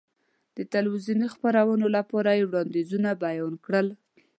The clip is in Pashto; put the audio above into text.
د تلویزیوني خپرونو لپاره یې وړاندیزونه بیان کړل.